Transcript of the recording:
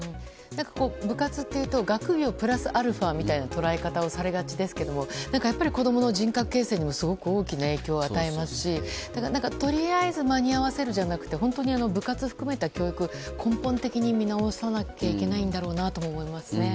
部活というと学業プラスアルファみたいに捉えられがちですが子供の人格形成にも大きな影響を与えますしとりあえず間に合わせるじゃなくて本当に部活を含めた教育を根本的に見直さなきゃいけないんだろうなと思いますね。